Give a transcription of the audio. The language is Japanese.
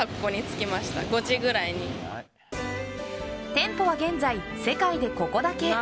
店舗は現在、世界でここだけ。